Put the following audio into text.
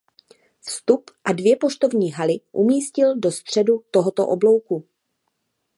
Vstup a dvě poštovní haly umístil do středu tohoto oblouku.